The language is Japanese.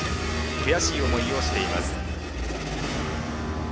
悔しい思いをしています。